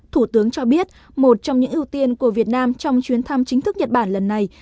thủ tướng cho biết một trong những ưu tiên của việt nam trong chuyến thăm chính thức nhật bản lần này